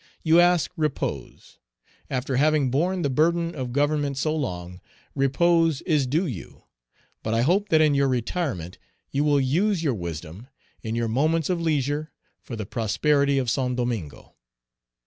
You ask repose; after having borne the burden of government so long, repose is due you; but I hope that in your retirement you will use your wisdom, in your moments of leisure, for the prosperity of Saint Domingo."